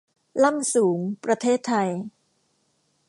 ล่ำสูง ประเทศไทย